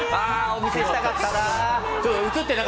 お見せしたかったな！